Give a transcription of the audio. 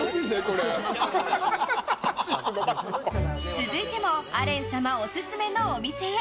続いてもアレン様オススメのお店へ。